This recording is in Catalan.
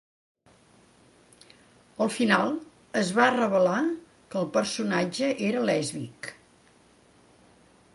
Al final, es va revelar que el personatge era lèsbic.